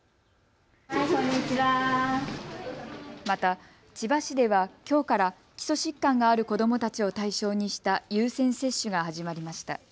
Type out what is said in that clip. また、千葉市ではきょうから基礎疾患がある子どもたちを対象にした優先接種が始まりました。